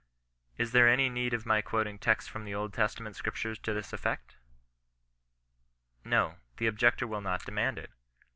Is there any need of my quoting texts from the Old Testa ment Scriptures to this effect ? No ; the objector will not demand it.